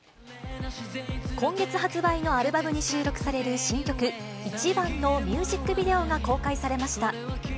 今月発売のアルバムに収録される新曲、イチバンのミュージックビデオが公開されました。